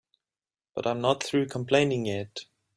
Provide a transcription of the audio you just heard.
But I'm not through complaining yet.